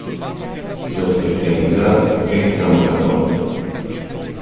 Su especialidad es la maratón.